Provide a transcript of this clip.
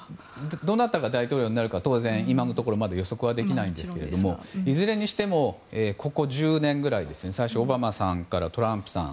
どなたが大統領になるか当然、今のところまだ予測はできないんですがいずれにしてもここ１０年ぐらい最初はオバマさんからトランプさん